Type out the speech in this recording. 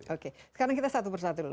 oke sekarang kita satu persatu dulu